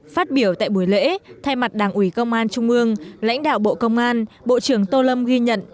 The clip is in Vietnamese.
phát biểu tại buổi lễ thay mặt đảng ủy công an trung ương lãnh đạo bộ công an bộ trưởng tô lâm ghi nhận